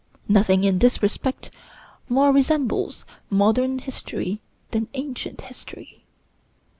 Nothing in this respect more resembles modern history than ancient history.